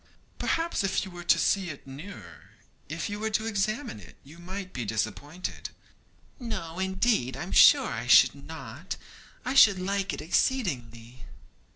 'Perhaps, if you were to see it nearer, if you were to examine it, you might be disappointed.' 'No, indeed, I'm sure I should not; I should like it exceedingly.'